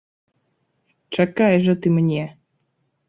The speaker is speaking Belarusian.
Чакай жа ты мне!